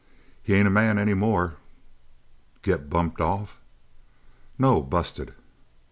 "He ain't a man any more." "Get bumped off?" "No. Busted."